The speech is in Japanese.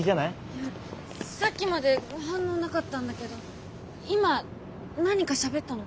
いやさっきまで反応なかったんだけど今何かしゃべったの。